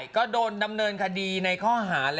ก็โดนดำเนินคดีในข้อหา